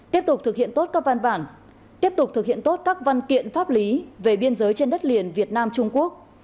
tiếp tục thực hiện tốt các văn bản tiếp tục thực hiện tốt các văn kiện pháp lý về biên giới trên đất liền việt nam trung quốc